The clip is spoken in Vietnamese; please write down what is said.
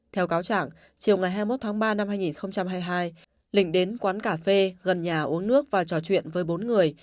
theo cáo trạng chiều ngày hai mươi một tháng ba năm hai nghìn hai mươi hai lĩnh đến quán cà phê gần nhà uống nước và trò chuyện với bốn người